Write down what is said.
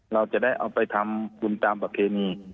เราจะได้เอาไปทำบุญตามประเพณี